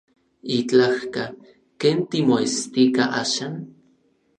Yitlajka. ¿Ken timoestika axan?